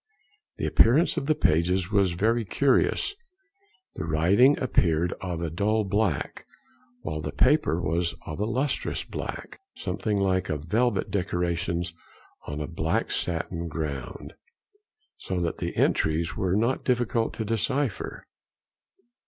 The appearance of the pages was very curious—the writing appeared of a dull black, while the paper was of a lustrous black, something like velvet decorations on a black satin ground, so that the entries were not difficult to decipher."